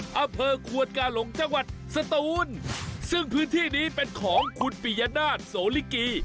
อำเภอควนกาหลงจังหวัดสตูนซึ่งพื้นที่นี้เป็นของคุณปิยนาศโสลิกี